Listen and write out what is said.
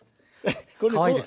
かわいいですね。